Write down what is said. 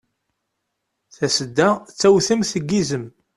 Tasedda d tawtemt n yizem.